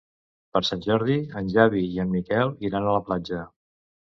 Per Sant Jordi en Xavi i en Miquel iran a la platja.